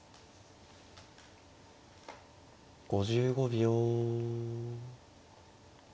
５５秒。